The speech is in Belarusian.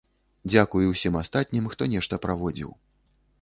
Дзякуй усім астатнім, хто нешта праводзіў.